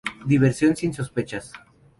Diversión sin sospechas.